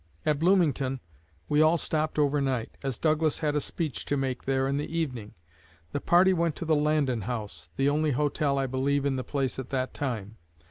At Bloomington we all stopped over night, as Douglas had a speech to make there in the evening. The party went to the Landon House the only hotel, I believe, in the place at that time.